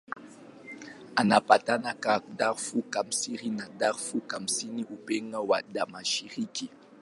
Inapakana na Darfur Kaskazini na Darfur Kusini upande wa mashariki.